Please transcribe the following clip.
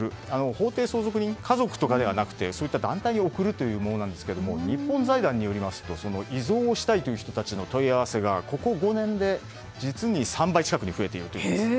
法定相続人、家族とかではなくてそういった団体に贈るというものですが日本財団によりますと遺贈をしたいという人たちの問い合わせがここ５年で実に３倍近くに増えているというんです。